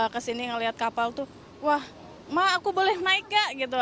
kesini ngeliat kapal tuh wah ma aku boleh naik gak gitu